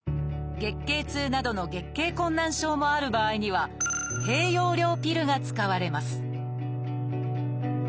月経痛などの月経困難症もある場合には低用量ピルが使われます